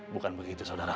bukan begitu saudara